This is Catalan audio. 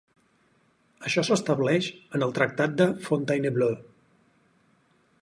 Això s'estableix en el Tractat de Fontainebleau.